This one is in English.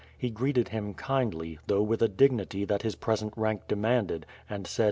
He greeted him kindly, though with a dignity that his present rank demanded, and said: WITH FIRE A\D SWORD.